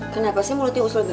kenapa sih mulutnya usul banget